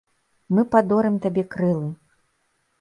Мы падорым табе крылы.